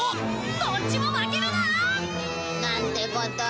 どっちも負けるな！なんてことを。